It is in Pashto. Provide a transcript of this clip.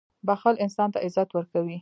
• بښل انسان ته عزت ورکوي.